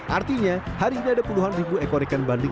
artinya hari ini ada puluhan ribu ekor ikan bandeng